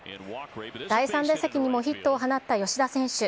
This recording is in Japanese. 第３打席にもヒットを放った吉田選手。